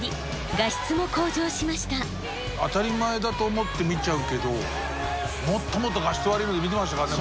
当たり前だと思って見ちゃうけどもっともっと画質悪いので見てましたからね